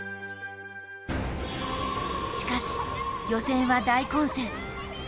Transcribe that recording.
しかし予選は大混戦。